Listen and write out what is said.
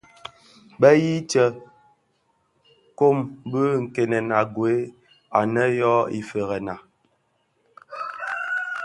Be yii tsè kōm bi nkènèn a gued anë yō Ifëërèna.